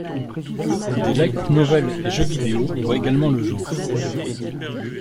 Des light novels et jeux vidéo voient également le jour.